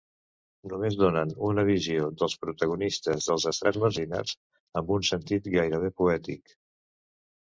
Només donen una visió dels protagonistes dels estrats marginats, amb un sentit gairebé poètic.